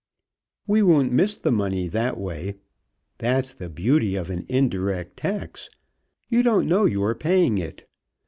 We won't miss the money that way. That's the beauty of an indirect tax: you don't know you are paying it.